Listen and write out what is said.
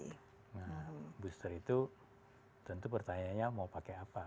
nah booster itu tentu pertanyaannya mau pakai apa